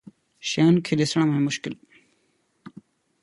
شين کي ڏسڻ ۾ مشڪل